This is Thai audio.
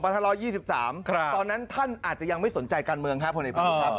ตอนนั้นท่านอาจจะยังไม่สนใจการเมืองครับผลเอกประยุทธ์ครับ